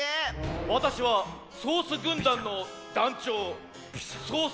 わたしはソースぐんだんのだんちょうソース